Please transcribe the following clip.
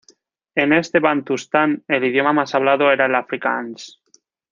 En este bantustán el idioma más hablado era el afrikáans.